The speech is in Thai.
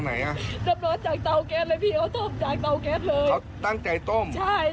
เขาตั้งใจต้มใช่ตั้งใจต้ม